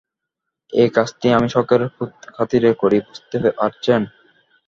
এই কাজটি আমি শখের খাতিরে করি, বুঝতে পারছেন?